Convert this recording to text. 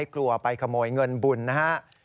ไม่กลัวไปขโมยเงินบุญนะครับ